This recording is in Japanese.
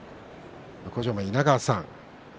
向正面の稲川さん